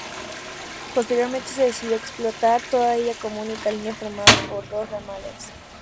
Posteriormente se decidió explotar toda ella como una única línea formada por dos ramales.